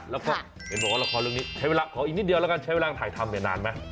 แล้วก็เห็นบอกว่าละครเรื่องนี้ใช้เวลาขออีกนิดเดียวแล้วกันใช้เวลาถ่ายทำเนี่ยนานไหม